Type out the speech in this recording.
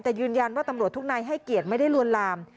แต่ยืนยันว่าตำรวจทุกนายให้เกียรติไม่ได้ลวนลาม